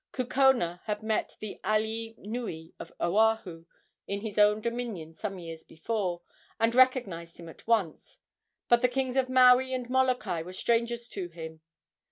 Kukona had met the alii nui of Oahu in his own dominions some years before, and recognized him at once, but the kings of Maui and Molokai were strangers to him.